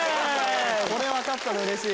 これ分かったのうれしい！